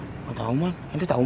apa kamu tahu apa saya tahu